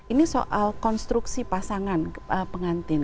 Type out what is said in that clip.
ini soal konstruksi pasangan pengantin